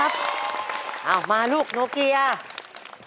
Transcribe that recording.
ขอบคุณครับ